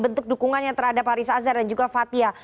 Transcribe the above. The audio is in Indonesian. bentuk dukungannya terhadap arissa azar dan juga fathia